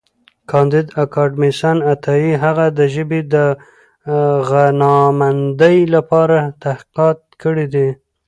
کانديد اکاډميسن عطايي هغه د ژبې د غنامندۍ لپاره تحقیقات کړي دي.